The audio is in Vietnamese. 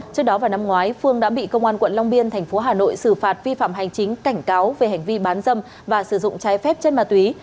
trước đó vào năm ngoái phương đã bị công an quận long biên thành phố hà nội xử phạt vi phạm hành chính cảnh cáo về hành vi bán dâm và sử dụng trái phép chất ma túy